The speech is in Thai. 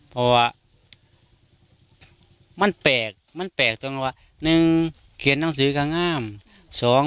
เพราะว่ามันแปลกมันแปลกตรงน่ะว่าหนึ่งเคียนหนังสือกาง้ามสอง